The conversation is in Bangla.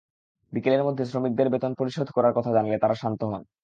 বিকেলের মধ্যে শ্রমিকদের বেতন পরিশোধ করার কথা জানালে তাঁরা শান্ত হন।